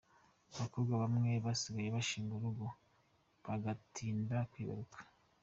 Abakobwa bamwe basigaye bashinga urugo , bagatinda kwibaruka.